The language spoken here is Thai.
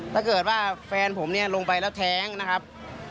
ถ้าเกิดว่าแฟนผมเนี่ยลงไปแล้วแท้งนะครับ